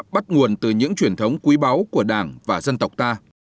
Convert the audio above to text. bắt nguồn từ những truyền thống quý báu của đảng và dân tộc ta